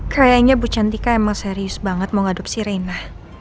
kayaknya bu cantika emang serius banget mau ngeadopsi reina